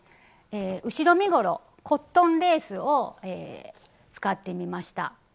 後ろ身ごろコットンレースを使ってみました。